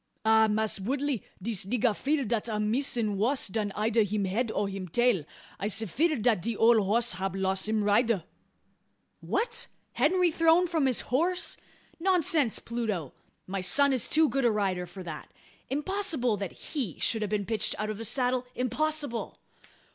"Ah, Mass' Woodley, dis nigga fear dat am missin' wuss dan eider him head or him tail. I'se feer'd dat de ole hoss hab loss him rider!" "What! Henry thrown from his horse? Nonsense, Pluto! My son is too good a rider for that. Impossible that he should have been pitched out of the saddle impossible!"